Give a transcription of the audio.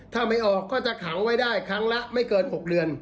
ถ้าไม่ออกก็จะขังไว้ได้ครั้งละไม่เกิน๖เดือน